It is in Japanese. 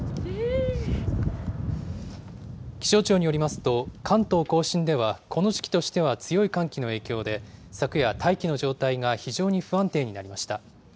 気象庁によりますと、関東甲信ではこの時期としては強い寒気の影響で、昨夜、大気の状態が非常に不安定になりました。